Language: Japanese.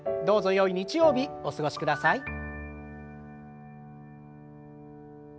どうぞよい日曜日お過ごしください。